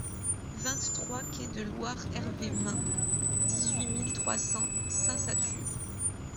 vingt-trois quai de Loire Hervé Mhun, dix-huit mille trois cents Saint-Satur